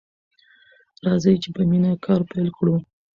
راځئ چې په مینه کار پیل کړو.